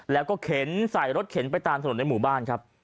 แล้วก็เข็นใส่รถเข็นไปตามถนนในหมู่บ้านครับ